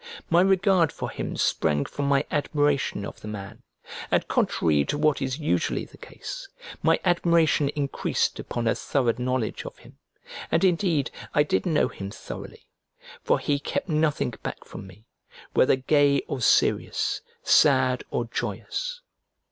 My regard for him sprang from my admiration of the man, and contrary to what is usually the case, my admiration increased upon a thorough knowledge of him, and indeed I did know him thoroughly, for he kept nothing back from me, whether gay or serious, sad or joyous.